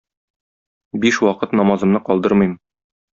Биш вакыт намазымны калдырмыйм.